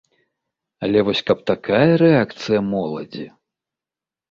Але вось каб такая рэакцыя моладзі!?